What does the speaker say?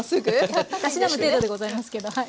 たしなむ程度でございますけどはい。